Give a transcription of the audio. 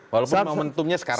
walaupun momentumnya sekarang